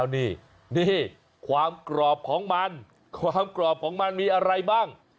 นี่นี่ความกรอบของมันความกรอบของมันมีอะไรบ้าง